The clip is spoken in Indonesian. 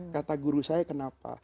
kata guru saya kenapa